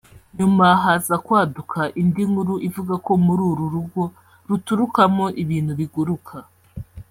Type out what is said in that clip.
nyuma haza kwaduka indi nkuru ivuga ko muri uru rugo ruturukamo ibintu biguruka